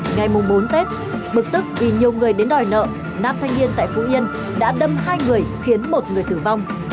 ngày bốn tết bực tức vì nhiều người đến đòi nợ nam thanh niên tại phú yên đã đâm hai người khiến một người tử vong